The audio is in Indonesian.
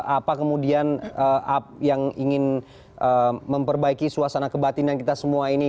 apa kemudian yang ingin memperbaiki suasana kebatinan kita semua ini